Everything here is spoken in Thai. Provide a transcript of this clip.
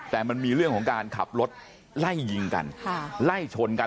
แต่มันมีเรื่องของการขับรถไล่ยิงกันไล่ชนกัน